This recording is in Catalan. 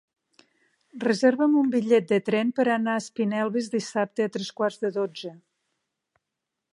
Reserva'm un bitllet de tren per anar a Espinelves dissabte a tres quarts de dotze.